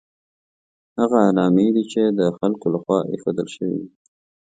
هغه علامې دي چې د خلکو له خوا ایښودل شوي دي.